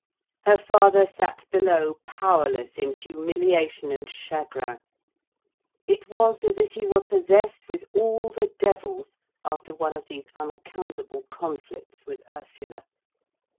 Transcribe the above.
Her father sat below, powerless in humiliation and chagrin. It was as if he were possessed with all the devils, after one of these unaccountable conflicts with Ursula.